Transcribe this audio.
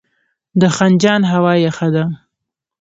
د خنجان هوا یخه ده